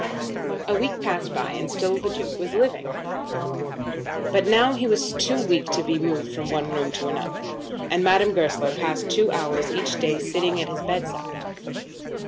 A week passed by, and still the Duke was living. But now he was too weak to be moved from one room to another, and Madame Goesler passed two hours each day sitting by his bedside.